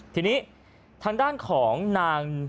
ทีนี้ทางด้านของนาง